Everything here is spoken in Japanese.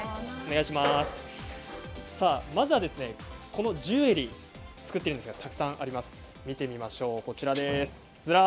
まずはこのジュエリーを作っているんですがたくさんあります。